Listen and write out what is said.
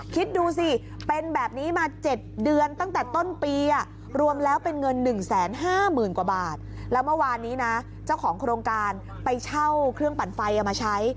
เข้าเครื่องปั่นไฟมาใช้